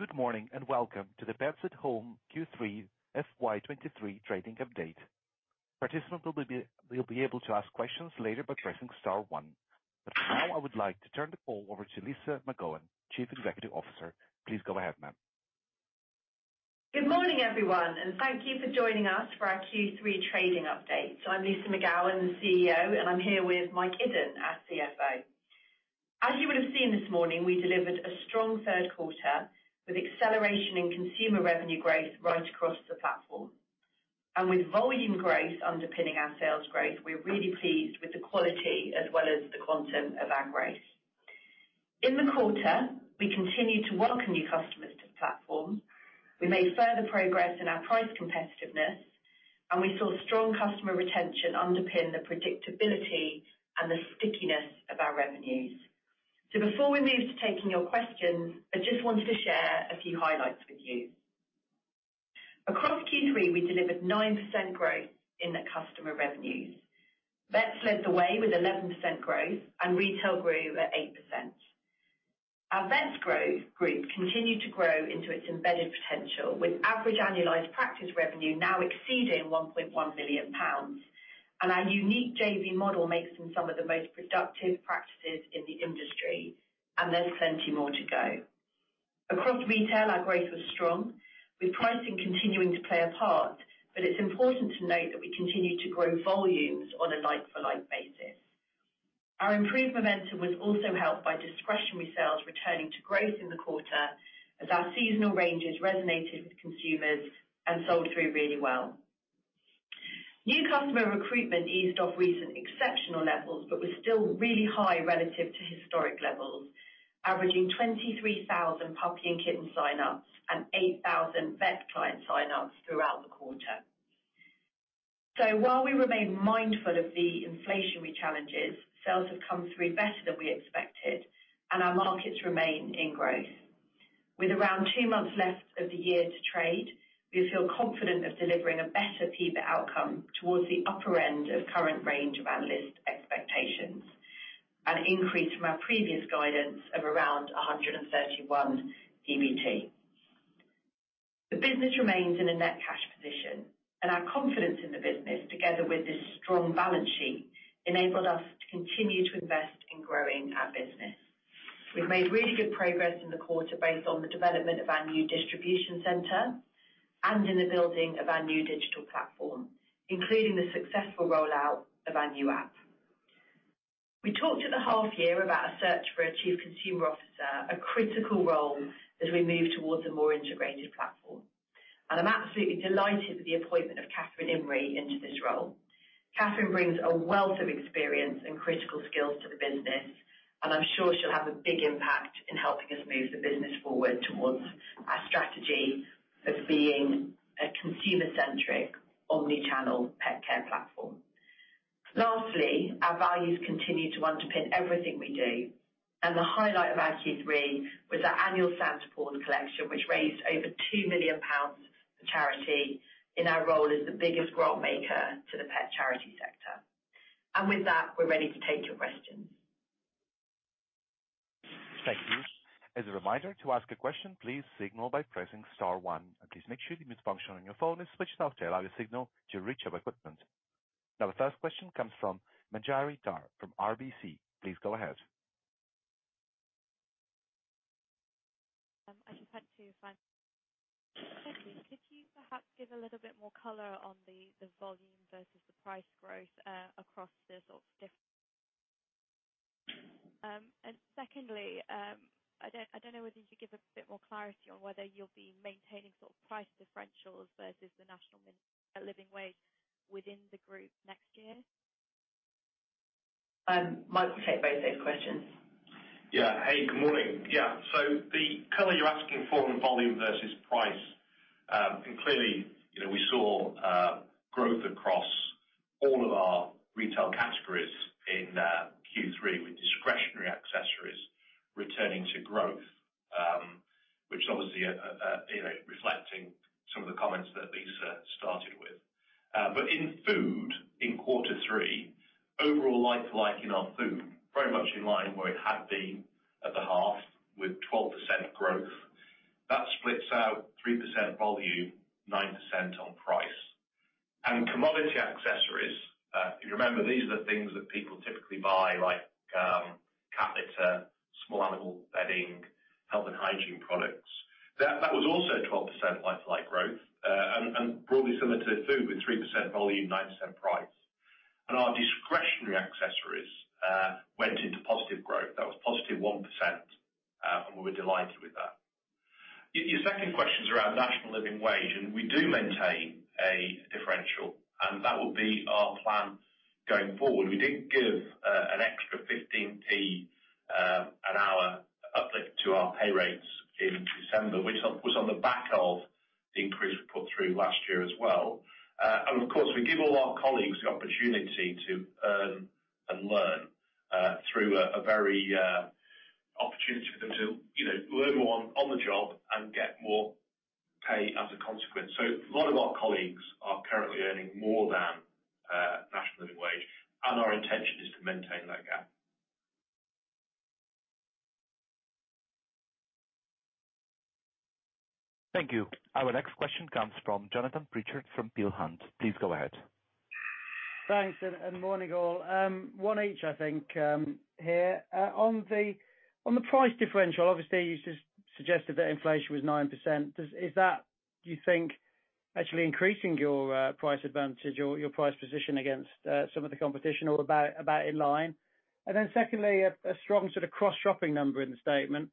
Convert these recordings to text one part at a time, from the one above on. Good morning, welcome to the Pets at Home Q3 FY23 trading update. Participants will be able to ask questions later by pressing star one. Now I would like to turn the call over to Lyssa McGowan, Chief Executive Officer. Please go ahead, ma'am. Good morning, everyone, and thank you for joining us for our Q3 trading update. I'm Lyssa McGowan, the CEO, and I'm here with Mike Iddon, our CFO. As you would have seen this morning, we delivered a strong third quarter with acceleration in consumer revenue growth right across the platform. With volume growth underpinning our sales growth, we're really pleased with the quality as well as the quantum of our growth. In the quarter, we continued to welcome new customers to the platform. We made further progress in our price competitiveness, and we saw strong customer retention underpin the predictability and the stickiness of our revenues. Before we move to taking your questions, I just wanted to share a few highlights with you. Across Q3, we delivered 9% growth in the customer revenues. Vet Group led the way with 11% growth and retail grew at 8%. Our Vet Group continued to grow into its embedded potential, with average annualized practice revenue now exceeding 1.1 billion pounds. Our unique JV model makes them some of the most productive practices in the industry, and there's plenty more to go. Across retail, our growth was strong, with pricing continuing to play a part, but it's important to note that we continued to grow volumes on a like-for-like basis. Our improved momentum was also helped by discretionary sales returning to growth in the quarter as our seasonal ranges resonated with consumers and sold through really well. New customer recruitment eased off recent exceptional levels, but was still really high relative to historic levels, averaging 23,000 Puppy and Kitten sign-ups and 8,000 Vet Group client sign-ups throughout the quarter. While we remain mindful of the inflationary challenges, sales have come through better than we expected and our markets remain in growth. With around two months left of the year to trade, we feel confident of delivering a better PBT outcome towards the upper end of current range of analyst expectations, an increase from our previous guidance of around 131 PBT. The business remains in a net cash position, and our confidence in the business, together with this strong balance sheet, enabled us to continue to invest in growing our business. We've made really good progress in the quarter both on the development of our new distribution center and in the building of our new digital platform, including the successful rollout of our new app. We talked at the half year about a search for a Chief Consumer Officer, a critical role as we move towards a more integrated platform. I'm absolutely delighted with the appointment of Kathryn Imrie into this role. Kathryn brings a wealth of experience and critical skills to the business, and I'm sure she'll have a big impact in helping us move the business forward towards our strategy of being a consumer-centric, omni-channel pet care platform. Lastly, our values continue to underpin everything we do, and the highlight of our Q3 was our annual Santa Paws collection, which raised over 2 million pounds for charity in our role as the biggest grant maker to the pet charity sector. With that, we're ready to take your questions. Thank you. As a reminder, to ask a question, please signal by pressing star one. Please make sure the mute function on your phone is switched off to allow your signal to reach our equipment. The first question comes from Manjari Dhar from RBC. Please go ahead. I should like to thank you. Could you perhaps give a little bit more color on the volume versus the price growth across the sorts of different... Secondly, I don't know whether you could give a bit more clarity on whether you'll be maintaining sort of price differentials versus the national living wage within the group next year. Mike will take both those questions. Hey, good morning. The color you're asking for on volume versus price, and clearly, you know, we saw growth across all of our retail categories in Q3, with discretionary accessories returning to growth, which is obviously, you know, reflecting some of the comments that Lyssa started with. In food in quarter three, overall like for like in our food, very much in line where it had been at the half with 12% growth. That splits out 3% volume, 9% on price. Commodity accessories, if you remember, these are things that people typically buy like cat litter, small animal bedding, health and hygiene products. That was also a 12% like for like growth, and broadly similar to food with 3% volume, 9% price. Our discretionary accessories went into positive growth. That was positive 1%, and we were delighted with that. Your second question is around national living wage, and we do maintain a differential, and that will be our plan going forward. We did give an extra 0.15 an hour uplift to our pay rates in December, was on the back of the increase we put through last year as well. Of course, we give all our colleagues the opportunity to earn and learn through a very opportunity for them to, you know, learn more on the job and get more pay as a consequence. A lot of our colleagues are currently earning more than national living wage, and our intention is to maintain that gap. Thank you. Our next question comes from Jonathan Pritchard from Peel Hunt. Please go ahead. Thanks, and morning all. One each, I think, here. On the price differential, obviously you just suggested that inflation was 9%. Is that, you think, actually increasing your price advantage or your price position against some of the competition or about in line? Secondly, a strong sort of cross-shopping number in the statement,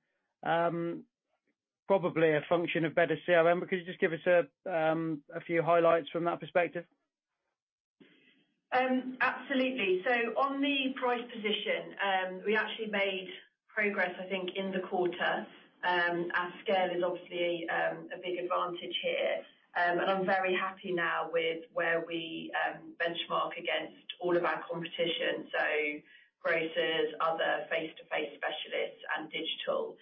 probably a function of better CRM. Could you just give us a few highlights from that perspective? Absolutely. On the price position, we actually made progress, I think, in the quarter. Our scale is obviously a big advantage here. I'm very happy now with where we benchmark against all of our competition, so grocers, other face-to-face specialists and digital.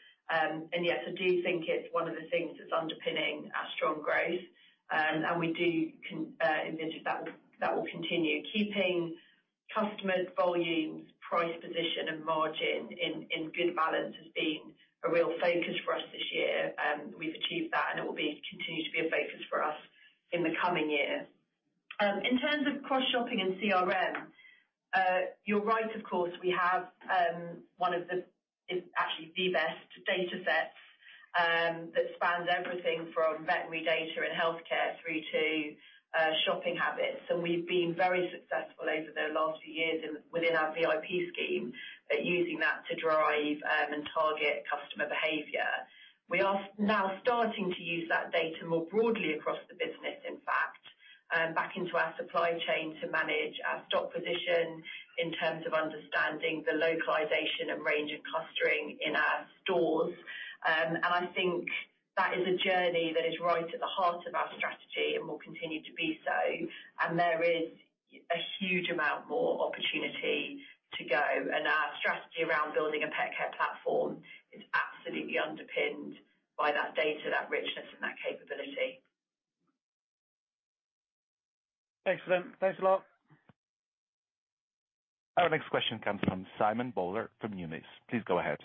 Yes, I do think it's one of the things that's underpinning our strong growth. We do envision that will, that will continue. Keeping customers, volumes, price, position and margin in good balance has been a real focus for us this year, and we've achieved that, and it will continue to be a focus for us in the coming year. In terms of cross-shopping and CRM, you're right, of course, we have one of the... actually the best datasets that spans everything from veterinary data and healthcare through to shopping habits. We've been very successful over the last few years within our VIP scheme at using that to drive and target customer behavior. We are now starting to use that data more broadly across the business, in fact, back into our supply chain to manage our stock position in terms of understanding the localization and range and clustering in our stores. I think that is a journey that is right at the heart of our strategy and will continue to be so. There is a huge amount more opportunity to go. Our strategy around building a pet care platform is absolutely underpinned by that data, that richness and that capability. Thanks for them. Thanks a lot. Our next question comes from Simon Bowler from Numis. Please go ahead.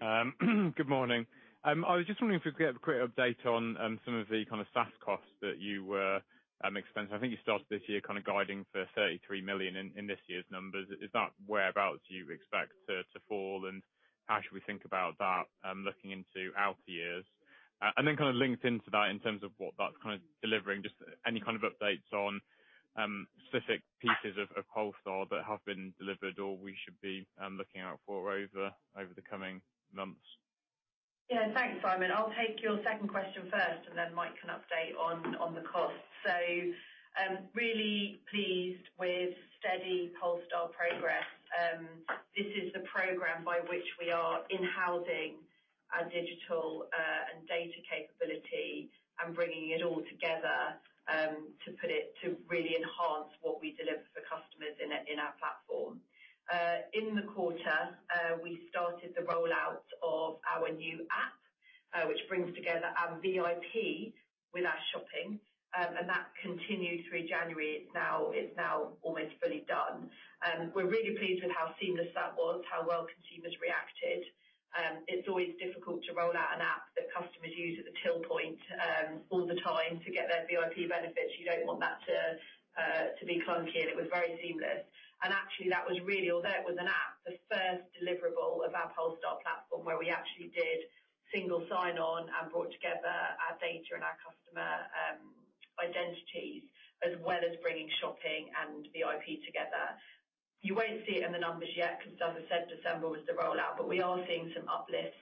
Good morning. I was just wondering if we could get a quick update on some of the kind of SaaS costs that you were expensing. I think you started this year kind of guiding for 33 million in this year's numbers. Is that whereabouts you expect to fall, and how should we think about that looking into outer years? Then kind of linked into that in terms of what that's kind of delivering, just any kind of updates on specific pieces of Polestar that have been delivered or we should be looking out for over the coming months. Yeah. Thanks, Simon. I'll take your second question first, and then Mike can update on the costs. Really pleased with steady Polestar progress. This is the program by which we are in-housing our digital and data capability and bringing it all together to really enhance what we deliver for customers in our platform. In the quarter, we started the rollout of our new app, which brings together our VIP with our shopping, and that continued through January. It's now almost fully done. We're really pleased with how seamless that was, how well consumers reacted. It's always difficult to roll out an app that customers use at the till point all the time to get their VIP benefits. You don't want that to be clunky, and it was very seamless. Actually, that was really, although it was an app, the first deliverable of our Polestar platform where we actually did single sign-on and brought together our data and our customer identities, as well as bringing shopping and VIP together. You won't see it in the numbers yet because as I said, December was the rollout, we are seeing some uplifts,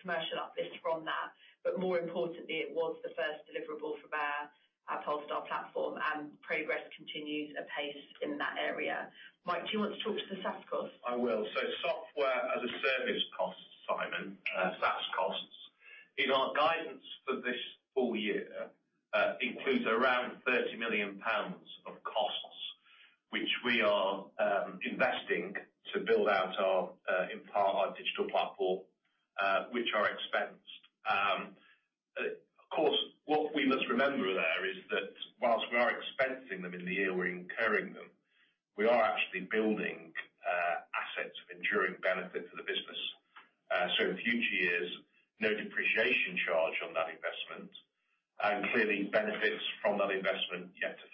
commercial uplifts from that. More importantly, it was the first deliverable from our Polestar platform, and progress continues apace in that area. Mike, do you want to talk to the SaaS cost? I will. Software as a Service cost, Simon, SaaS costs, in our guidance for this full year includes around 30 million pounds of costs, which we are investing to build out our in part our digital platform, which are expensed. Of course, what we must remember there is that whilst we are expensing them in the year we're incurring them, we are actually building assets of enduring benefit to the business. In future years, no depreciation charge on that investment, and clearly benefits from that investment yet to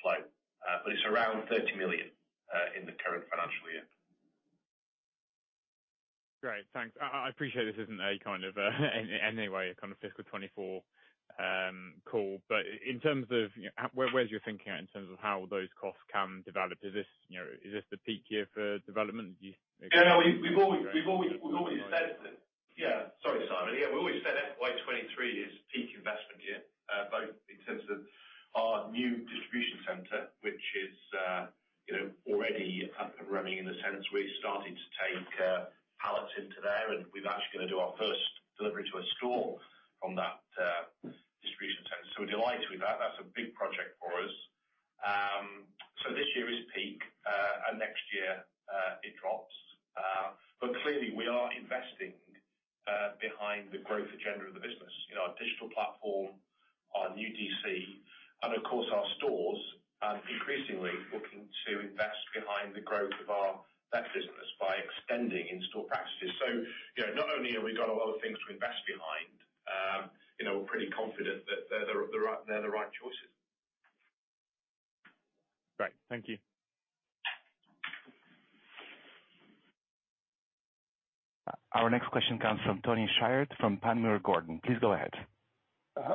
comes from Tony Shire from Panmure Gordon. Please go ahead.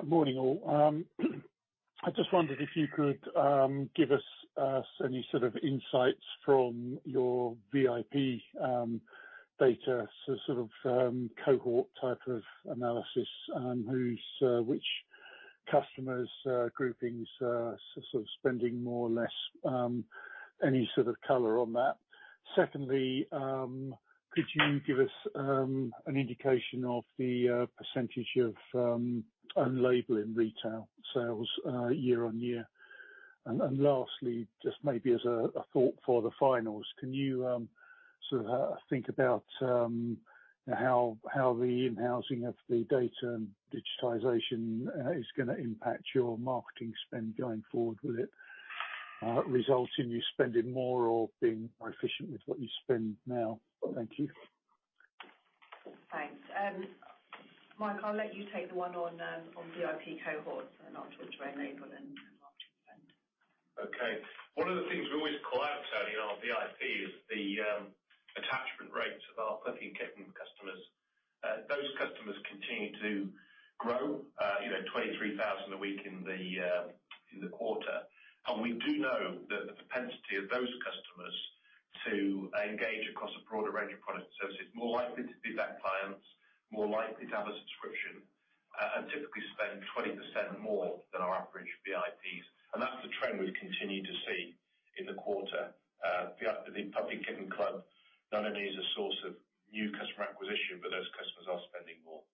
Morning, all. I just wondered if you could give us any sort of insights from your VIP data. Sort of cohort type of analysis on whose, which customers, groupings are sort of spending more or less, any sort of color on that. Secondly, could you give us an indication of the % of own label in retail sales year-over-year? Lastly, just maybe as a thought for the finals, can you sort of think about how the in-housing of the data and digitization is gonna impact your marketing spend going forward? Will it result in you spending more or being more efficient with what you spend now? Thank you. Thanks. Mike, I'll let you take the one on VIP cohorts, and I'll talk to own label and marketing spend. Okay. One of the things we always call out, Tony, in our VIP is the attachment rates of our Puppy and Kitten customers. Those customers continue to grow, you know, 23,000 a week in the quarter. We do know that the propensity of those customers to engage across a broader range of products and services, more likely to be vet clients, more likely to have a subscription, and typically spend 20% more than our average VIPs. That's the trend we've continued to see in the quarter. The Puppy and Kitten Club not only is a source of new customer acquisition, but those customers are spending more.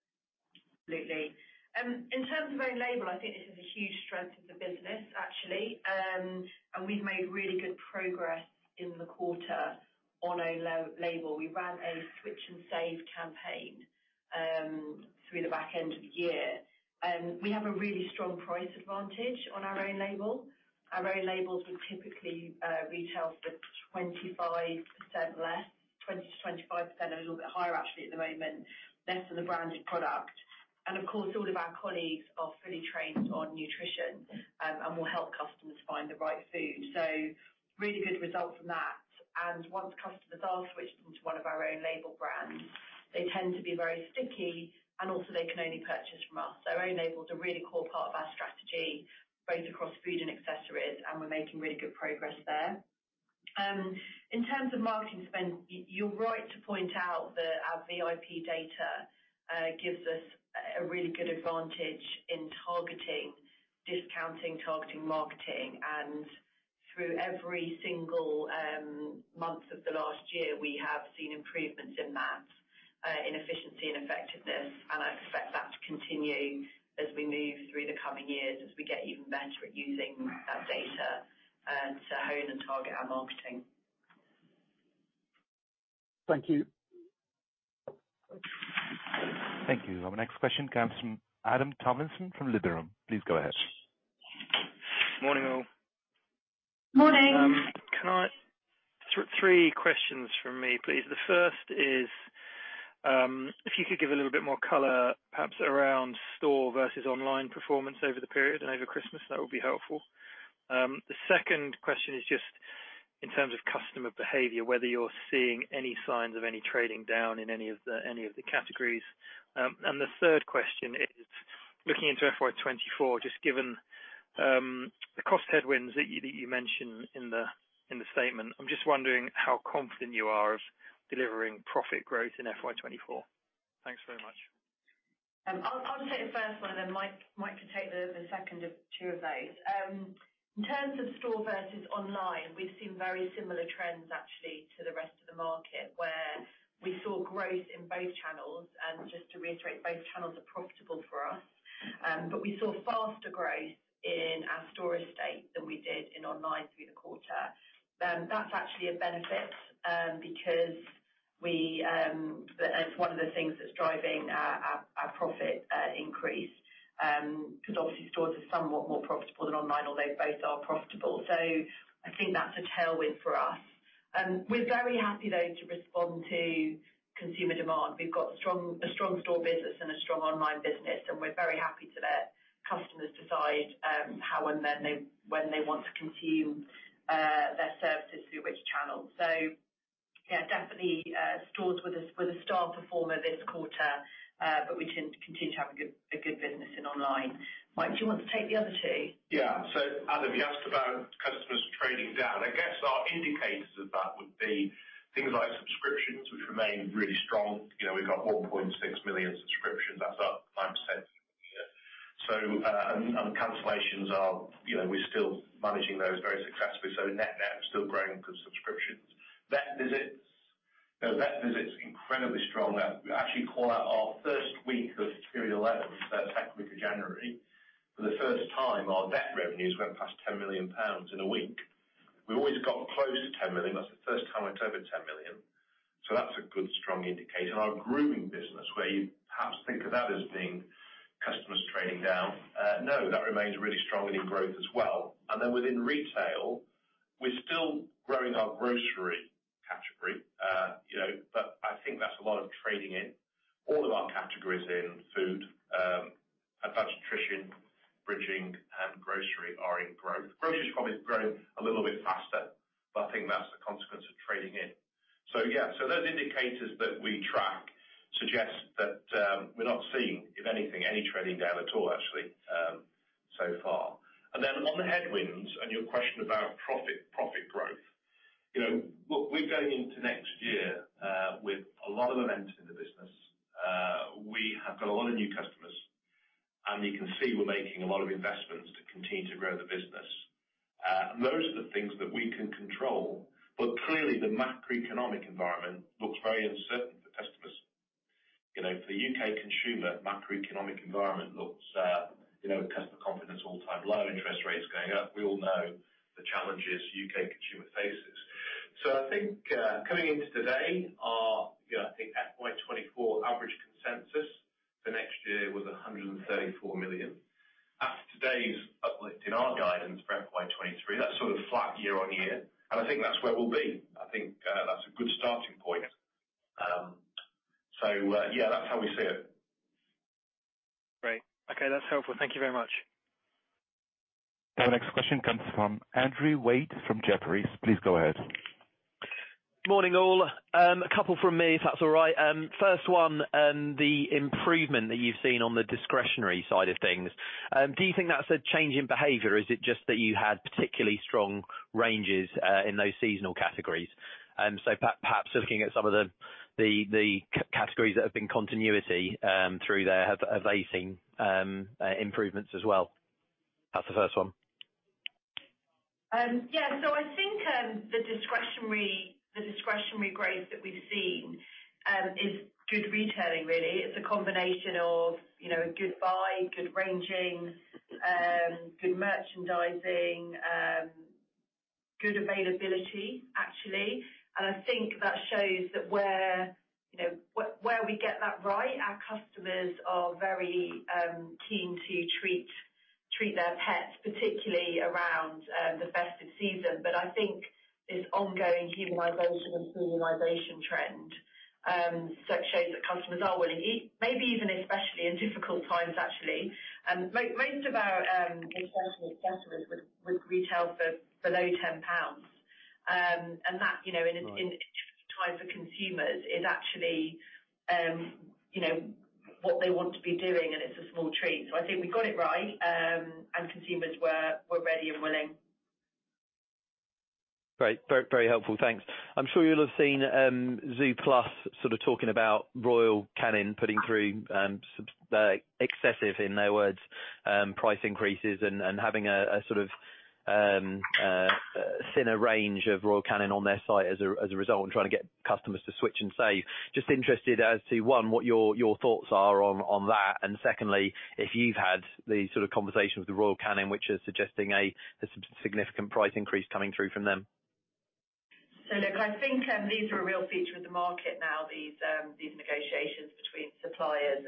Absolutely. In terms of own label, I think this is a huge strength of the business, actually. We've made really good progress in the quarter on own label. We ran a switch and save campaign through the back end of the year. We have a really strong price advantage on our own label. Our own labels would typically retail for 25% less, 20%-25%. They're a little bit higher actually at the moment, less than the branded product. Of course, all of our colleagues are fully trained on nutrition and will help customers find the right food. Really good result from that. Once customers are switched into one of our own label brands, they tend to be very sticky, and also they can only purchase from us. Own label is a really core part of our strategy, both across food and accessories, and we're making really good progress there. In terms of marketing spend, you're right to point out that our VIP data gives us a really good advantage in targeting, discounting, targeting marketing. Through every single month of the last year, we have seen improvements in that in efficiency and effectiveness. I expect that to continue as we move through the coming years as we get even better at using that data to hone and target our marketing. Thank you. Thank you. Our next question comes from Adam Tomlinson from Liberum. Please go ahead. Morning, all. Morning. Three questions from me, please. The first is, if you could give a little bit more color, perhaps around store versus online performance over the period and over Christmas, that would be helpful. The second question is just in terms of customer behavior, whether you're seeing any signs of any trading down in any of the categories. The third question is looking into FY24, just given the cost headwinds that you mentioned in the statement. I'm just wondering how confident you are of delivering profit growth in FY24. Thanks very much. I'll take the first one, and then Mike can take the second of two of those. In terms of store versus online, we've seen very similar trends actually to the rest of the market, where we saw growth in both channels. Just to reiterate, both channels are profitable for us. We saw faster growth in our store estate than we did in online through the quarter. That's actually a benefit, because we... It's one of the things that's driving our profit, increase, 'cause obviously stores are somewhat more profitable than online, although both are profitable. I think that's a tailwind for us. We're very happy, though, to respond to consumer demand. We've got a strong store business and a strong online business. We're very happy to let customers decide how and when they want to consume their services through which channel. Yeah, definitely, stores were the star performer this quarter. We tend to continue to have a good business in online. Mike, do you want to take the other two? Yeah. Adam, you asked about customers trading down. I guess our indicators of that would be things like subscriptions, which remain really strong. You know, we've got 1.6 million subscriptions. That's up 9% year-over-year. And cancellations are, you know, we're still managing those very successfully. Net, that is still growing because subscriptions. The Vet visit's incredibly strong. We actually call out our first week of period 11, so that second week of January, for the first time, our Vet revenues went past 10 million pounds in a week. We've always got close to 10 million. That's the first time it's over 10 million. That's a good strong indicator. Our grooming business, where you perhaps think of that as being customers trading down. No, that remains really strong and in growth as well. Then within retail, we're still growing our grocery category, you know, but I think that's a lot of trading in. All of our categories in food, advanced nutrition, bridging and grocery are in growth. Grocery is probably growing a little bit faster, but I think that's the consequence of trading in. Yeah. Those indicators that we track suggest that, we're not seeing, if anything, any trading down at all actually, so far. Then on the headwinds and your question about profit growth, you know, look, we're going into next year, with a lot of momentum in the business. We have got a lot of new customers, and you can see we're making a lot of investments to continue to grow the business. Those are the things that we can control. Clearly, the macroeconomic environment looks very uncertain for customers. You know, for the U.K. consumer macroeconomic environment looks, you know, customer confidence all-time low, interest rates going up. We all know the challenges U.K. consumer faces. I think, coming into today, our, you know, I think FY24 average consensus for next year was 134 million. After today's uplift in our guidance for FY23, that's sort of flat year-over-year, and I think that's where we'll be. I think, that's a good starting point. Yeah, that's how we see it. Great. Okay, that's helpful. Thank you very much. Our next question comes from Andrew Waite, from Jefferies. Please go ahead. Morning, all. A couple from me, if that's all right. First one, the improvement that you've seen on the discretionary side of things, do you think that's a change in behavior or is it just that you had particularly strong ranges in those seasonal categories? Perhaps looking at some of the categories that have been continuity through there, have they seen improvements as well? That's the first one. Yeah. I think the discretionary growth that we've seen is good retailing really. It's a combination of, you know, good buy, good ranging, good merchandising, good availability, actually. I think that shows that where, you know, we get that right, our customers are very keen to treat their pets, particularly around the festive season. I think this ongoing humanization and animalization trend sort of shows that customers are willing, even especially in difficult times, actually. Most of our accessory customers would retail for below 10 pounds. That, you know, in a, in a tricky time for consumers is actually, you know, what they want to be doing and it's a small treat. I think we got it right, and consumers were ready and willing. Great. Very, very helpful. Thanks. I'm sure you'll have seen, zooplus sort of talking about Royal Canin putting through some excessive, in their words, price increases and having a sort of a thinner range of Royal Canin on their site as a result and trying to get customers to switch and save. Just interested as to, one, what your thoughts are on that. Secondly, if you've had the sort of conversation with the Royal Canin which is suggesting some significant price increase coming through from them. Look, I think, these are a real feature of the market now, these negotiations between suppliers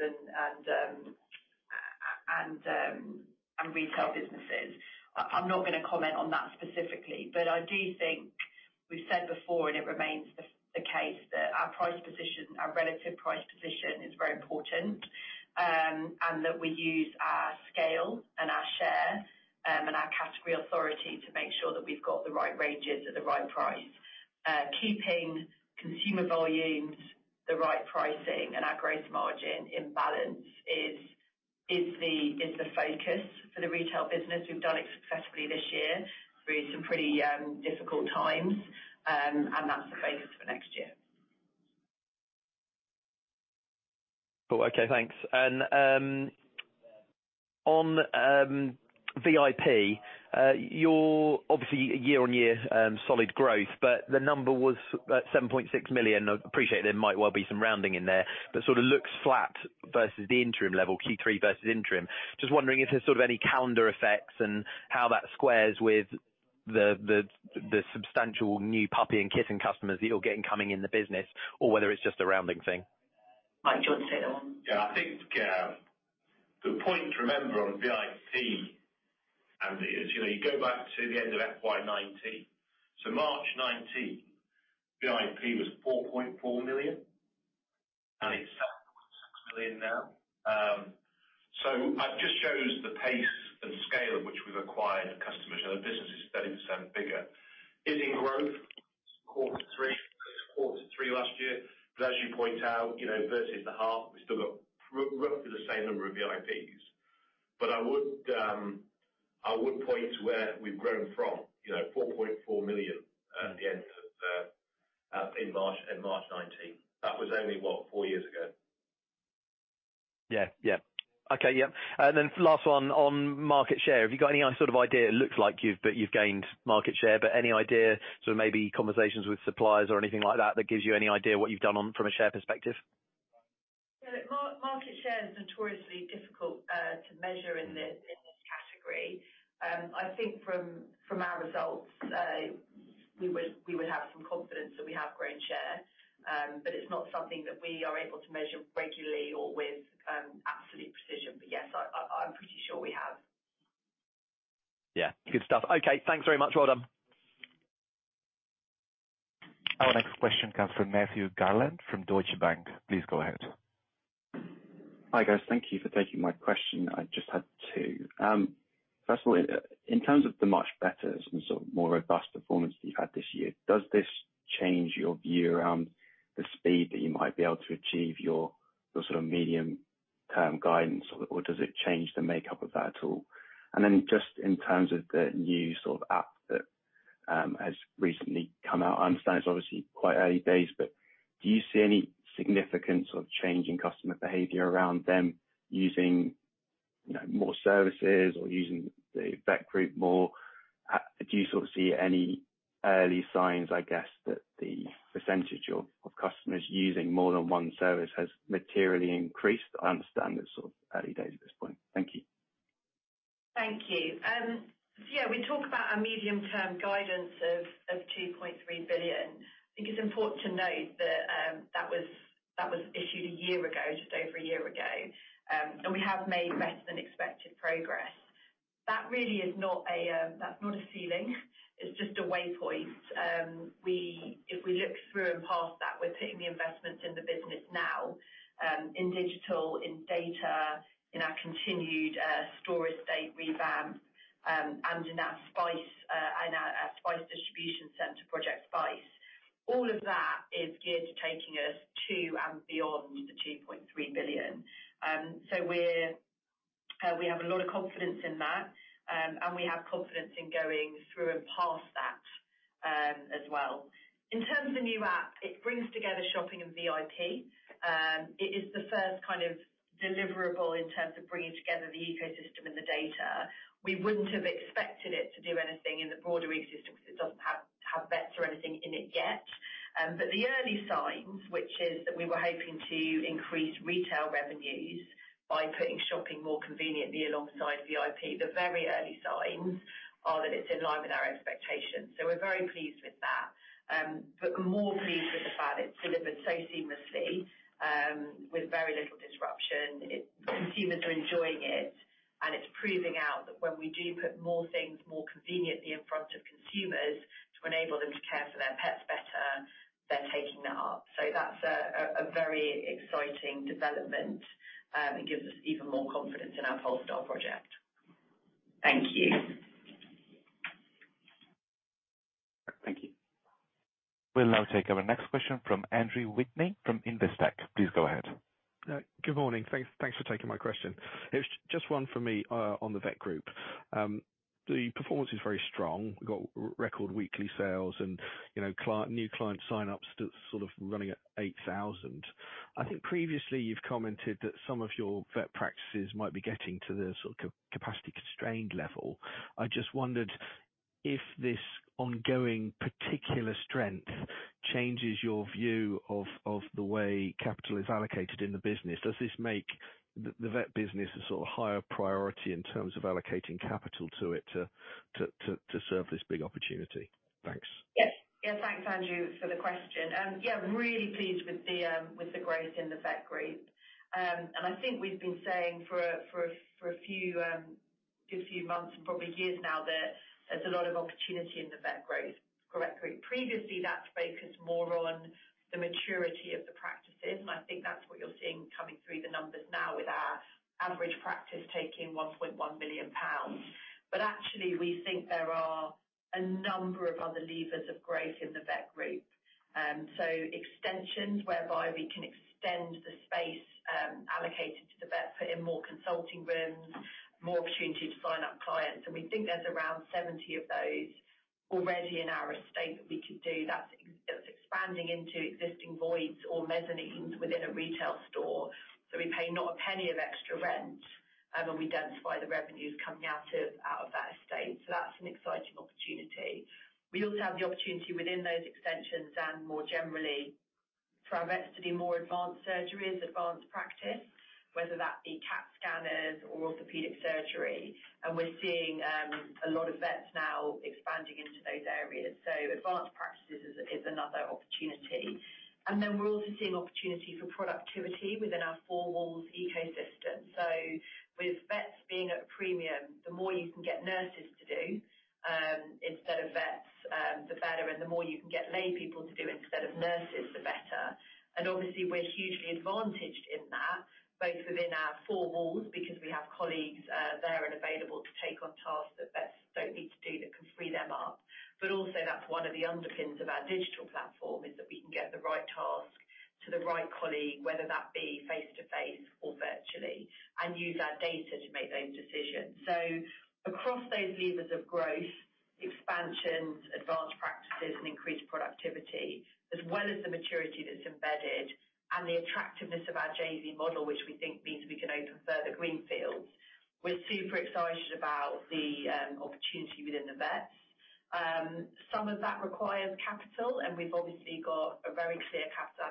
and retail businesses. I'm not gonna comment on that specifically, but I do think we've said before and it remains the case, that our price position, our relative price position is very important, and that we use our scale and our share, and our category authority to make sure that we've got the right ranges at the right price. Keeping consumer volumes, the right pricing and our growth margin in balance is the focus for the retail business. We've done it successfully this year through some pretty difficult times. That's the focus for next year. Cool. Okay, thanks. On VIP, you're obviously year-on-year solid growth, but the number was at 7.6 million. I appreciate there might well be some rounding in there, but sort of looks flat versus the interim level, Q3 versus interim. Just wondering if there's sort of any calendar effects and how that squares with the substantial new puppy and kitten customers that you're getting coming in the business or whether it's just a rounding thing. Mike, do you want to take that one? Yeah, I think, Gav, the point to remember on VIP, Andy, is, you know, you go back to the end of FY19. March 2019, VIP was 4.4 million, and it's 7.6 million now. just shows the pace and scale at which we've acquired customers, so the business is 30% bigger. It's in growth quarter three, quarter three last year. As you point out, you know, versus the half, we've still got roughly the same number of VIPs. I would point to where we've grown from, you know, 4.4 million at the end of in March, in March 2019. That was only, what, four years ago. Yeah, yeah. Okay, yeah. Then last one on market share. Have you got any sort of idea? It looks like you've gained market share, any idea, sort of maybe conversations with suppliers or anything like that gives you any idea what you've done on from a share perspective? Yeah. Market share is notoriously difficult to measure in this category. I think from our results, we would have some confidence that we have grown share, but it's not something that we are able to measure regularly or with absolute precision. Yes, I'm pretty sure we have. Yeah. Good stuff. Okay, thanks very much. Well done. Our next question comes from Matt Garland from Deutsche Bank. Please go ahead. Hi, guys. Thank you for taking my question. I just had 2. First of all, in terms of the much better and sort of more robust performance that you've had this year, does this change your view around the speed that you might be able to achieve your sort of medium-term guidance, or does it change the makeup of that at all? Just in terms of the new sort of app that has recently come out. I understand it's obviously quite early days, but do you see any significant sort of change in customer behavior around them using, you know, more services or using the Vet Group more? Do you sort of see any early signs, I guess, that the percentage of customers using more than one service has materially increased? I understand it's sort of early days at this point. Thank you. Thank you. Yeah, we talk about our medium-term guidance of 2.3 billion. I think it's important to note that that was issued a year ago, just over a year ago, we have made better than expected progress. That really is not a, that's not a ceiling, it's just a way point. If we look through and past that, we're putting the investments in the business now, in digital, in data, in our continued store estate revamp, and in our Spice, in our Spice distribution center project Spice. All of that is geared to taking us to and beyond the 2.3 billion. We're, we have a lot of confidence in that, and we have confidence in going through and past that as well. In terms of the new app, it brings together shopping and VIP. It is the first kind of deliverable in terms of bringing together the ecosystem and the data. We wouldn't have expected it to do anything in the broader ecosystem because it doesn't have vets or anything in it yet. The early signs, which is that we were hoping to increase retail revenues by putting shopping more conveniently alongside VIP. The very early signs are that it's in line with our expectations, so we're very pleased with that. More pleased with the fact it's delivered so seamlessly with very little disruption. Consumers are enjoying it, and it's proving out that when we do put more things more conveniently in front of consumers to enable them to care for their pets better, they're taking that up. That's a very exciting development, and gives us even more confidence in our Polestar project. Thank you. Thank you. We'll now take our next question from Andrew Whitney from Investec. Please go ahead. Good morning. Thanks for taking my question. It's just one for me on the Vet Group. The performance is very strong. Got record weekly sales and, you know, new client signups sort of running at 8,000. I think previously you've commented that some of your vet practices might be getting to the sort of capacity constrained level. I just wondered if this ongoing particular strength changes your view of the way capital is allocated in the business. Does this make the vet business a sort of higher priority in terms of allocating capital to it to serve this big opportunity? Thanks. Yes. Yeah. Thanks, Andrew, for the question. Yeah, really pleased with the growth in the Vet Group. I think we've been saying for a few good few months and probably years now that there's a lot of opportunity in the Vet Group. Previously, that's focused more on the maturity of the practices, and I think that's what you're seeing coming through the numbers now with our average practice taking 1.1 million pounds. Actually, we think there are a number of other levers of growth in the Vet Group. So extensions whereby we can extend the space allocated to the vet, put in more consulting rooms, more opportunity to sign up clients. We think there's around 70 of those already in our estate that we could do. That's expanding into existing voids or mezzanines within a retail store, so we pay not a penny of extra rent, and we densify the revenues coming out of that estate. That's an exciting opportunity. We also have the opportunity within those extensions and more generally for our vets to do more advanced surgeries, advanced practice, whether that be CT scanner or orthopedic surgery. We're seeing a lot of vets now expanding into those areas. Advanced practices is another opportunity. We're also seeing opportunity for productivity within our four walls ecosystem. With vets being at a premium, the more you can get nurses to do instead of vets, the better, and the more you can get laypeople to do instead of nurses, the better. Obviously, we're hugely advantaged in that, both within our four walls, because we have colleagues there and available to take on tasks that vets don't need to do, that can free them up. Also that's one of the underpins of our digital platform, is that we can get the right task to the right colleague, whether that be face-to-face or virtually, and use our data to make those decisions. Across those levers of growth-Expansions, advanced practices, and increased productivity, as well as the maturity that's embedded and the attractiveness of our JV model, which we think means we can open further greenfields. We're super excited about the opportunity within the vet. Some of that requires capital, and we've obviously got a very clear capital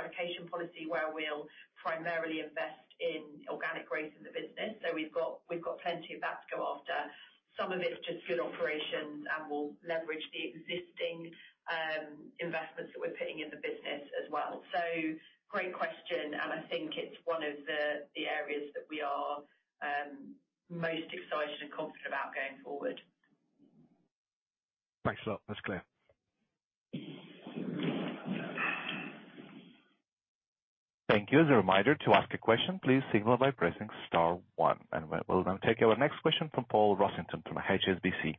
allocation policy where we'll primarily invest in organic growth in the business. We've got plenty of that to go after. Some of it's just good operations, and we'll leverage the existing investments that we're putting in the business as well. Great question, and I think it's one of the areas that we are most excited and confident about going forward. Thanks a lot. That's clear. Thank you. As a reminder, to ask a question, please signal by pressing star 1. We'll now take our next question from Paul Rossington from HSBC.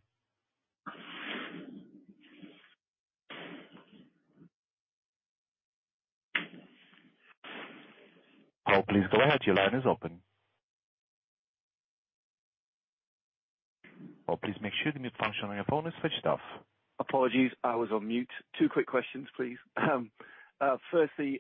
Paul, please go ahead. Your line is open. Paul, please make sure the mute function on your phone is switched off. Apologies, I was on mute. Two quick questions, please. Firstly,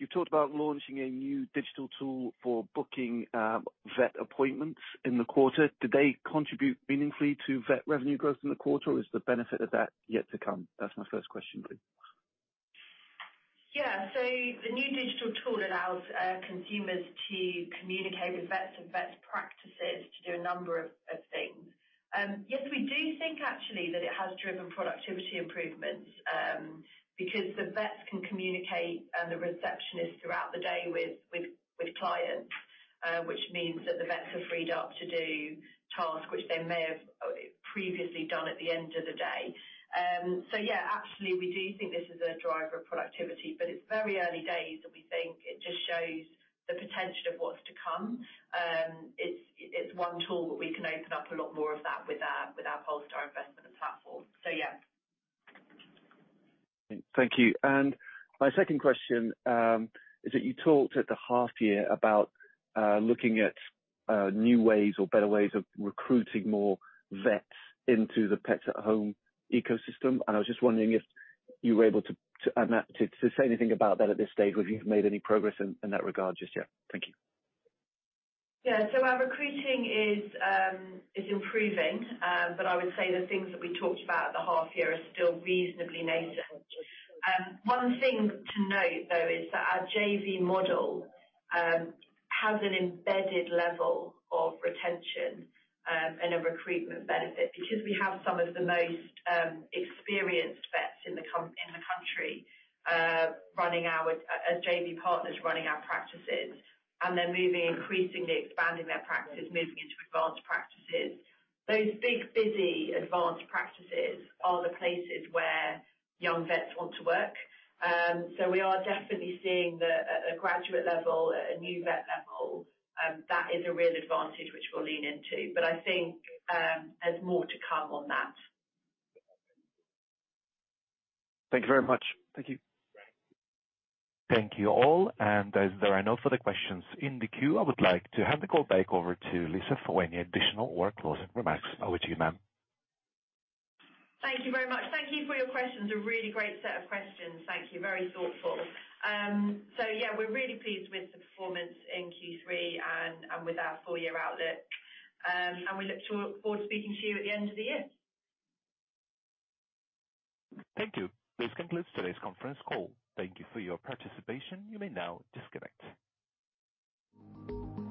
you talked about launching a new digital tool for booking, vet appointments in the quarter. Did they contribute meaningfully to vet revenue growth in the quarter, or is the benefit of that yet to come? That's my first question, please. Yeah. The new digital tool allows consumers to communicate with vets and vet practices to do a number of things. Yes, we do think actually that it has driven productivity improvements because the vets can communicate the receptionists throughout the day with clients, which means that the vets are freed up to do tasks which they may have previously done at the end of the day. Yeah, actually we do think this is a driver of productivity, but it's very early days, and we think it just shows the potential of what's to come. It's one tool that we can open up a lot more of that with our Polestar investment platform. Yeah. Thank you. My second question, is that you talked at the half year about looking at new ways or better ways of recruiting more vets into the Pets at Home ecosystem. I was just wondering if you were able to say anything about that at this stage, whether you've made any progress in that regard just yet. Thank you. Yeah. Our recruiting is improving. I would say the things that we talked about at the half year are still reasonably nascent. One thing to note, though, is that our JV model has an embedded level of retention and a recruitment benefit because we have some of the most experienced vets in the country, running our as JV partners running our practices. They're moving, increasingly expanding their practices, moving into advanced practices. Those big busy advanced practices are the places where young vets want to work. We are definitely seeing the, at a graduate level, at a new vet level, that is a real advantage which we'll lean into. I think there's more to come on that. Thank you very much. Thank you. Thank you all. As there are no further questions in the queue, I would like to hand the call back over to Lyssa for any additional closing remarks. Over to you, ma'am. Thank you very much. Thank you for your questions. A really great set of questions. Thank you. Very thoughtful. Yeah, we're really pleased with the performance in Q3 and with our full year outlook. We look to forward to speaking to you at the end of the year. Thank you. This concludes today's conference call. Thank you for your participation. You may now disconnect.